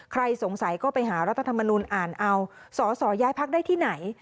ใครสงสัยก็ไปหารัฐธรรมนุนอ่านเอาสอสอย้ายพักได้ที่ไหน